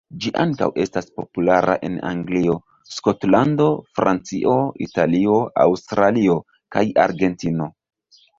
Ĝi ankaŭ estas populara en Anglio, Skotlando, Francio, Italio, Aŭstralio, kaj Argentino.